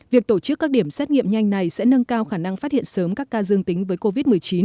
việc tổ chức các điểm xét nghiệm nhanh này sẽ nâng cao khả năng phát hiện sớm các ca dương tính với covid một mươi chín